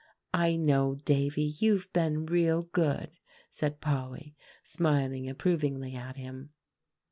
"I know, Davie, you've been real good," said Polly, smiling approvingly at him.